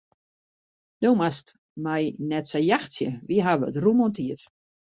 Do moatst my net sa jachtsje, we hawwe it rûm oan tiid.